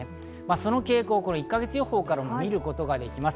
その傾向を１か月予報からも見ることができます。